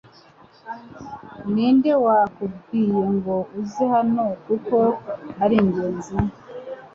Ninde wakubwiye ngo uze hano kuko ari ingenzi